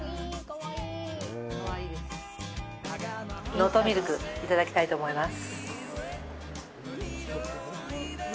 能登ミルク、いただきたいと思います。